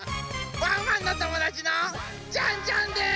ワンワンのともだちのジャンジャンです！